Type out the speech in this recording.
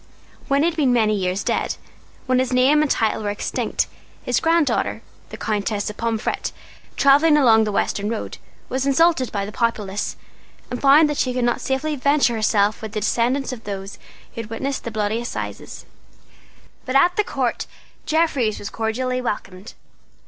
When he had been many years dead, when his name and title were extinct, his granddaughter, the Countess of Pomfret, travelling along the western road, was insulted by the populace, and found that she could not safely venture herself among the descendants of those who had witnessed the Bloody Assizes. But at the Court Jeffreys was cordially welcomed.